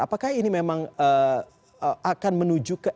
apakah ini memang akan menuju ke